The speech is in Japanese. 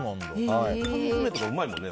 缶詰とかうまいもんね。